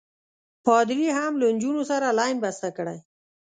پادري هم له نجونو سره لین بسته کړی.